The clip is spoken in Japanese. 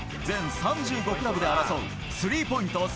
全３５クラブで争うスリーポイント